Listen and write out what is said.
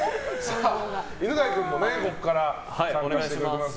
犬飼君もここから参加してくれます。